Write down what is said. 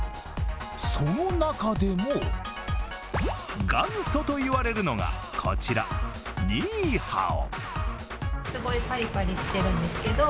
その中でも元祖と言われるのがこちら、ニーハオ。